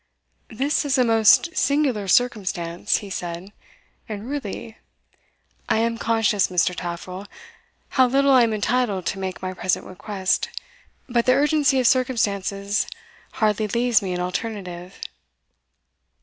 "This is a most singular circumstance," he said, "and really" "I am conscious, Mr. Taffril, how little I am entitled to make my present request, but the urgency of circumstances hardly leaves me an alternative."